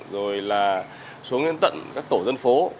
rồi là xuống đến tận các tổ dân phố